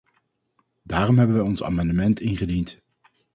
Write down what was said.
Daarom hebben wij ons amendement ingediend.